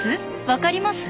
分かります？